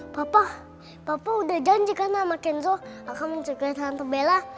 papa papa sudah janjikan sama kenzo akan mencegah tante bella